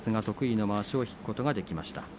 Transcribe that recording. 得意のまわしを引くことができました。